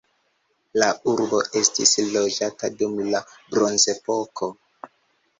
La urbo estis loĝata dum la bronzepoko.